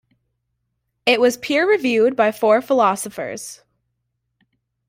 It was peer reviewed by four philosophers.